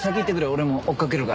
俺も追っかけるから。